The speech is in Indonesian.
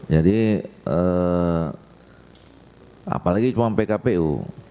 jadi apalagi cuma pkpu